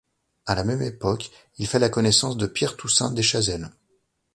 À la même époque il fait la connaissance de Pierre-Toussaint Dechazelle.